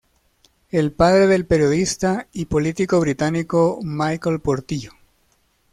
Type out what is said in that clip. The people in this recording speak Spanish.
Es padre del periodista y político británico Michael Portillo.